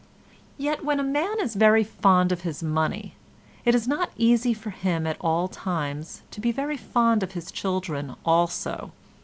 Yet when a man is very fond of his money it is not easy for him at all times to be very fond of his children also.